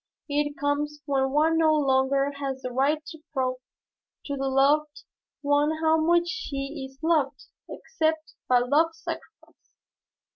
It comes when one no longer has the right to prove to the loved one how much she is loved, except by love's sacrifice.